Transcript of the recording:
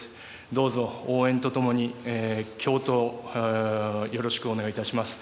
どうぞ応援とともに共闘、よろしくお願いします。